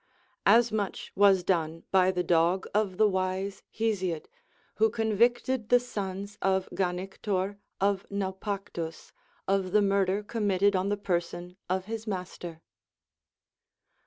As much was done by the dog of the wise Hesiod, who convicted the sons of Ganictor of Naupactus of the murder committed on the person of his master.